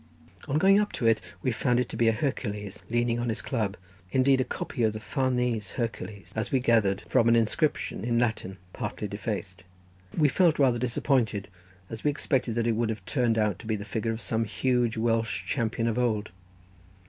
On going up to it we found it to be a Hercules leaning on his club,—indeed a copy of the Farnese Hercules, as we gathered from an inscription in Latin partly defaced. We felt rather disappointed, as we expected that it would have turned out to be the figure of some huge Welsh champion of old.